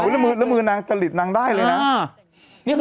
นางหนุ่มมองข้างหลังอีกแล้วเนี่ย